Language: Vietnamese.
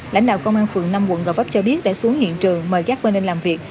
lãnh đạo công an phường năm quận gò vấp cho biết đã xuống hiện trường mời các bên lên làm việc